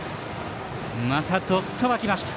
またどっと沸きました。